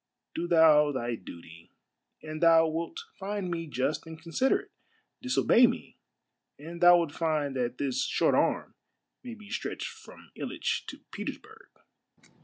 Do thou thy duty, and thou wilt find me just and considerate. Disobey me, and thou wilt find that this short arm may be stretched from Hitch to Petersburg."